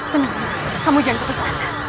tenang kamu jangan ketawa